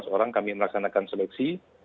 dua belas orang kami melaksanakan seleksi